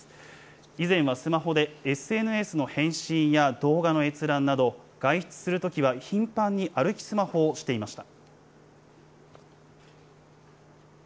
以前はスマホでＳＮＳの返信や動画の閲覧など、外出するときは頻繁に歩きスマホをしていました。